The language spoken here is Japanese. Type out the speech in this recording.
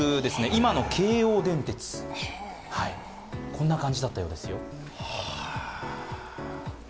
今の京王電鉄、こんな感じだったようですよ。